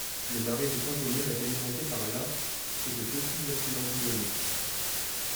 Le marais de Saint-Omer est alimenté par l’Aa et de petits affluents boulonnais.